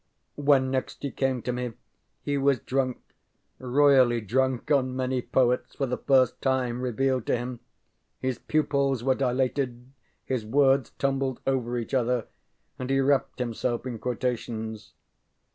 When next he came to me he was drunk royally drunk on many poets for the first time revealed to him. His pupils were dilated, his words tumbled over each other, and he wrapped himself in quotations.